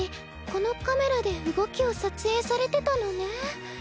このカメラで動きを撮影されてたのね。